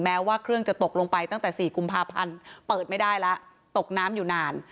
แม้ว่าเครื่องจะตกลงไปตั้งแต่๔กุมภาพันธ์เปิดไม่ได้แล้วตกน้ำอยู่นาน